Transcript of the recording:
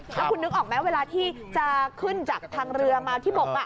แล้วคุณนึกออกไหมเวลาที่จะขึ้นจากทางเรือมาที่บก